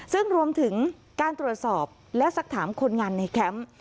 ซึ่งรวมถึงการตรวจสอบและสักถามคนงานในแคมป์